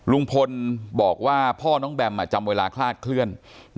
ลุงพลบอกว่าพ่อน้องแบมจำเวลาคลาดเคลื่อน